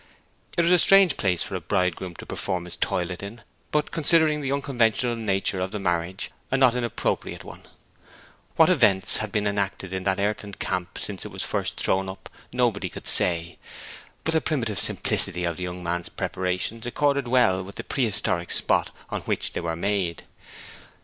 It was a strange place for a bridegroom to perform his toilet in, but, considering the unconventional nature of the marriage, a not inappropriate one. What events had been enacted in that earthen camp since it was first thrown up, nobody could say; but the primitive simplicity of the young man's preparations accorded well with the prehistoric spot on which they were made.